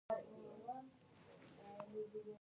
خلک د خپلو باورونو ساتنه کوي.